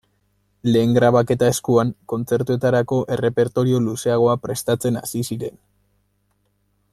Lehen grabaketa eskuan, kontzertuetarako errepertorio luzeagoa prestatzen hasi ziren.